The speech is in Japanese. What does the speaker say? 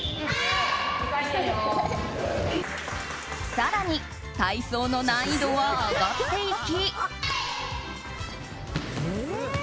更に体操の難易度は上がっていき。